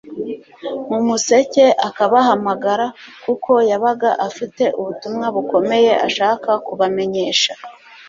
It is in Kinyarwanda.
Mu museke akabahamagara, kuko yabaga afite ubutumwa bukomeye ashaka kubamenyesha.